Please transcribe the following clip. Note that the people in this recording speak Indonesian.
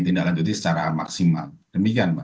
tindaklanjuti secara maksimal demikian